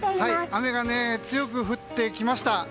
雨が強く降ってきました。